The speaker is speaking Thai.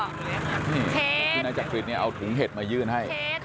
นี่คุณหายจักรดิเนี่ยเอาถุงเห็ดมายื่นให้